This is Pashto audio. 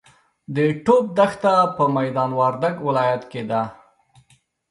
د ټوپ دښته په میدا وردګ ولایت کې ده.